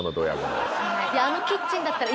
あのキッチンだったら。